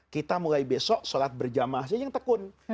kita mulai besok sholat berjamaah saja yang tekun